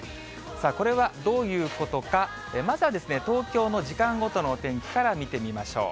これはどういうことか、まずは東京の時間ごとのお天気から見てみましょう。